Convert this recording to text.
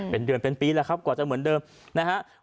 เป็นเดือนเป็นปีแล้วครับกว่าจะเหมือนเดิมนะครับ